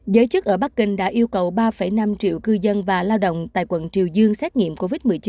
giới chức ở bắc kinh đã yêu cầu ba năm triệu cư dân và lao động tại quận triều dương xét nghiệm covid một mươi chín